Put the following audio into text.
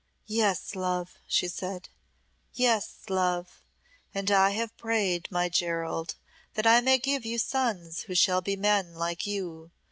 "Yes, love," she said "yes, love and I have prayed, my Gerald, that I may give you sons who shall be men like you.